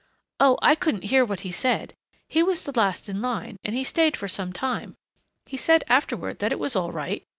"Oh, I couldn't hear what was said. He was the last in line and he stayed for some time. He said afterward that it was all right.